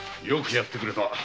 よくやってくれた。